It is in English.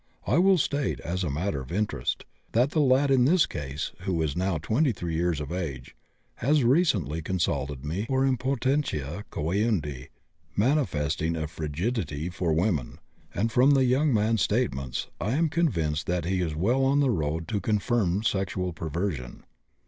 I will state, as a matter of interest, that the lad in this case, who is now 23 years of age, has recently consulted me for impotentia coëundi, manifesting a frigidity for women, and, from the young man's statements, I am convinced that he is well on the road to confirmed sexual perversion.